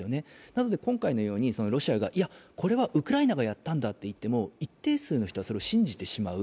なので今回のようにロシアがいや、これはウクライナがやったんだと言っても一定数の人はそれを信じてしまう。